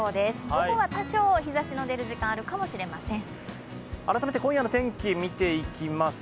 午後は多少、日ざしの出る時間あるかもしれません。